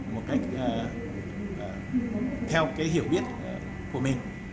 một cách theo cái hiểu biết của mình